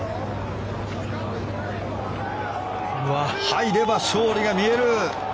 入れば勝利が見える。